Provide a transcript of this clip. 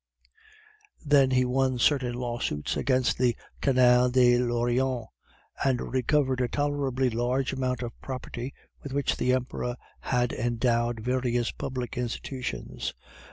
Then he won certain lawsuits against the Canal d'Orleans, and recovered a tolerably large amount of property, with which the Emperor had endowed various public institutions.